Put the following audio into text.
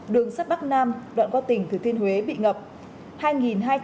đường sắt bắc nam đoạn qua tỉnh thừa thiên huế bị ngập